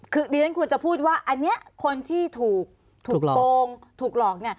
คือเดี๋ยวฉันควรจะพูดว่าอันนี้คนที่ถูกโกงถูกหลอก